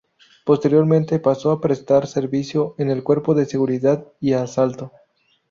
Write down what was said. Posteriormente pasó a prestar servicio en el Cuerpo de Seguridad y Asalto.